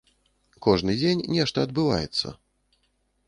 Кожны дзень нешта адбываецца.